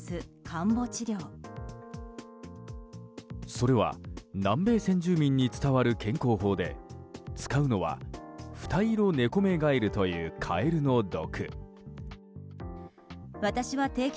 それは、南米先住民に伝わる健康法で使うのはフタイロネコメガエルというカエルの毒。